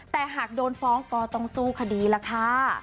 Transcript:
แต่หากโดนฟ้องก็ต้องสู้คดีล่ะค่ะ